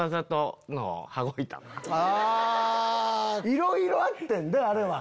いろいろあってんであれは。